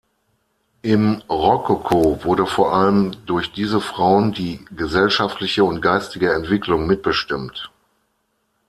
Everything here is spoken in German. Im Rokoko wurde vor allem durch diese Frauen die gesellschaftliche und geistige Entwicklung mitbestimmt.